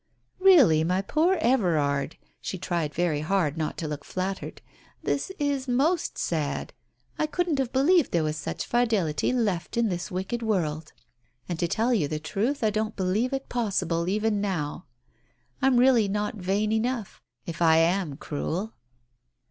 " Really, my poor Everard "— she tried very hard not to look flattered —" this is most sad. I couldn't have believed there was such fidelity left in this wicked world, Digitized by Google THE TELEGRAM 7 and to tell you the truth I don't believe it possible, even now. I'm really not vain enough — if I am cruel."